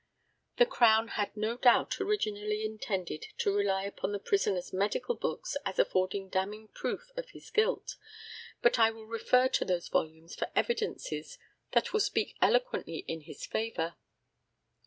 The Crown had no doubt originally intended to rely upon the prisoner's medical books as affording damning proof of his guilt; but I will refer to those volumes for evidences that will speak eloquently in his favour.